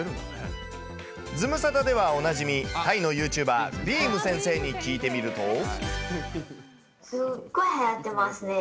ズムサタではおなじみ、タイのユーチューバー、びーむ先生に聞いてみると。